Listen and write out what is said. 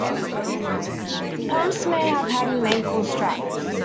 Pumps may have an ankle strap.